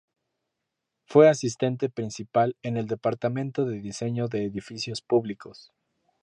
Fue asistente principal en el Departamento de diseño de edificios públicos.